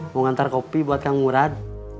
mau ngantar kopi buat kang murad